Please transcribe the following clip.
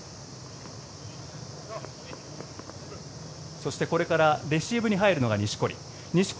そしてこれからレシーブに入るのが錦織。